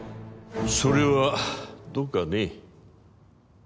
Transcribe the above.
それはどうかね